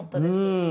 うん。